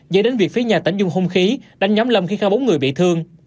dẫn đến việc phía nhà tỉnh dung hung khí đánh nhóm lâm khi khá bốn người bị thương